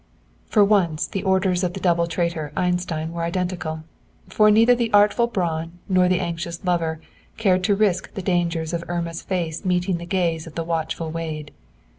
For once, the orders of the double traitor Einstein were identical, as neither the artful Braun nor the anxious lover cared to risk the dangers of Irma's face meeting the gaze of the watchful Wade.